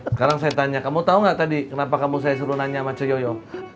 sekarang saya tanya kamu tau gak tadi kenapa kamu saya suruh nanya sama ciyoyo